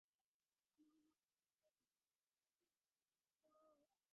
এইসব লোকহিতকর কীর্তিকলাপ গড়ে আবার ভাঙে।